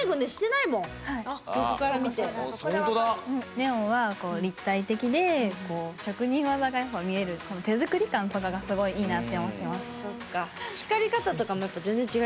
ネオンは立体的で職人技がやっぱ見える手作り感とかがすごいいいなって思ってます。